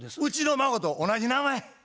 うちの孫と同じ名前。